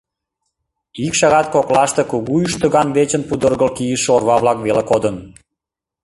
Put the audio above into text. Ик шагат коклаште кугу ӱштыган дечын пудыргыл кийыше орва-влак веле кодын.